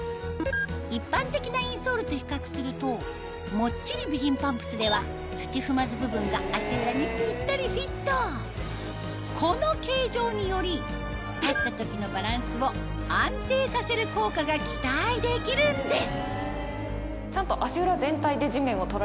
一般的なインソールと比較するともっちり美人パンプスでは土踏まず部分が足裏にピッタリフィットこの形状により立った時のバランスを安定させる効果が期待できるんです